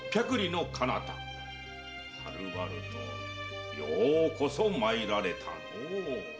はるばるとようこそ参られたのう。